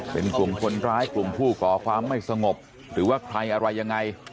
เป็นกลุ่มคนร้ายกลุ่มผู้ก่อความไม่สงบหรือว่าใครอะไรยังไง